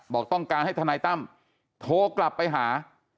บอกต้องการให้ทนายตั้มโทรกลับไปหา